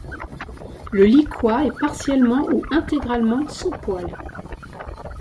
Le lykoi est partiellement ou intégralement sans poils.